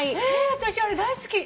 私あれ大好き。